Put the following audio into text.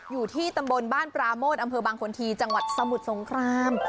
อยู่ที่ตำบลบ้านปราโมทอำเภอบางคนทีจังหวัดสมุทรสงคราม